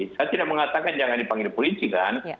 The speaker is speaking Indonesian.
saya tidak mengatakan jangan dipanggil polisi kan